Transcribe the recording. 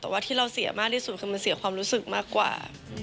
แต่ว่าที่เราเสียมากที่สุดคือมันเสียความรู้สึกมากกว่า